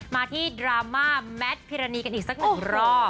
มาที่ดราม่าแมทพิรณีกันอีกสักหนึ่งรอบ